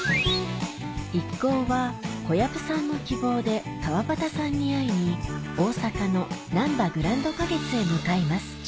一行は小籔さんの希望で川畑さんに会いに大阪のなんばグランド花月へ向かいます